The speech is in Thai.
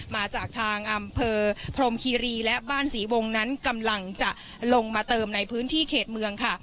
มาจากทางอำเภอพรมคีรีและบ้านศรีวงนั้นกำลังจะลงมาเติมในพื้นที่เขตเมืองค่ะ